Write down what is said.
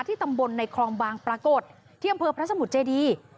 ตำบลในคลองบางปรากฏที่อำเภอพระสมุทรเจดี